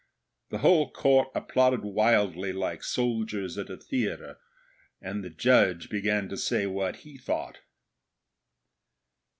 The whole Court applauded wildly, like soldiers at a theatre, and the Judge began to say what he thought.